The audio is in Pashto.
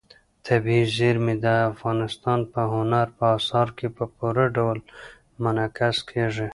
طبیعي زیرمې د افغانستان په هنر په اثار کې په پوره ډول منعکس کېږي.